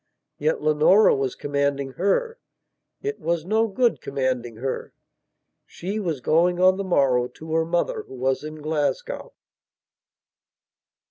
Yet Leonora was commanding her. It was no good commanding her. She was going on the morrow to her mother who was in Glasgow.